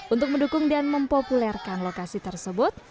untuk mendukung dan mempopulerkan lokasi tersebut